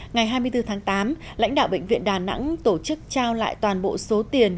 ngày hai mươi bốn tháng tám lãnh đạo bệnh viện đà nẵng tổ chức trao lại toàn bộ số tiền